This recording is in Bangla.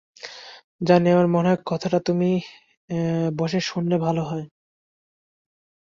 জনি, আমার মনে হয়, কথাটা তুমি বসে শুনলে ভালো হয়।